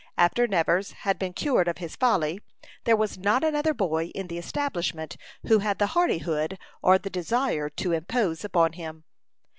After Nevers had been cured of his folly, there was not another boy in the establishment who had the hardihood or the desire to impose upon him.